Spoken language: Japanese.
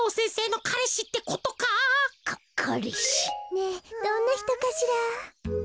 ねえどんなひとかしら？